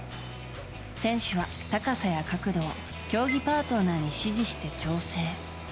選手は高さや角度を競技パートナーに指示して調整。